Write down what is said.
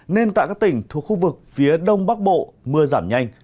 nên tại các tỉnh thuộc khu vực phía đông bắc bộ mưa giảm nhanh